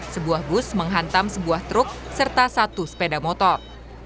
sebuah bus menghantam sebuah truk serta satu sepeda motor